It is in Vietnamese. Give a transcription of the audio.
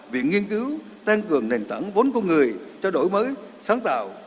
viện nghiên cứu tăng cường nền tảng vốn của người cho đổi mới sáng tạo